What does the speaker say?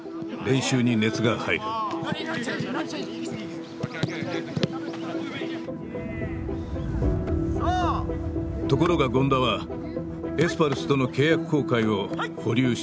ところが権田はエスパルスとの契約更改を保留していた。